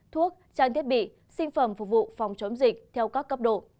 thuốc trang thiết bị sinh phẩm phục vụ phòng chống dịch theo các cấp độ